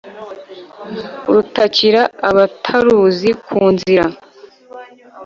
Arutakira abataruzi ku nzira